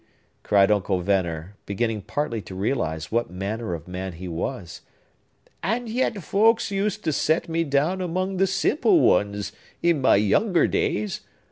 cried Uncle Venner, beginning partly to realize what manner of man he was. "And yet folks used to set me down among the simple ones, in my younger days!